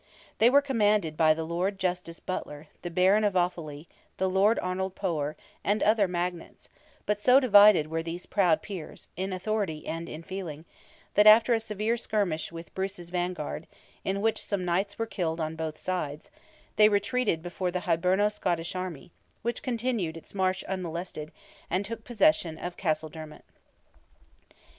They were commanded by the Lord Justice Butler, the Baron of Offally, the Lord Arnold Poer, and other magnates; but so divided were these proud Peers, in authority and in feeling, that, after a severe skirmish with Bruce's vanguard, in which some knights were killed on both sides, they retreated before the Hiberno Scottish army, which continued its march unmolested, and took possession of Castledermot.